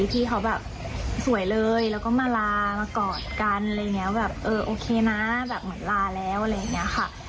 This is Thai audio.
พี่เขาแบบสวยเลยแล้วก็มาลามากอดกันอะไรอย่างนี้แบบเออโอเคนะแบบเหมือนลาแล้วอะไรอย่างนี้ค่ะ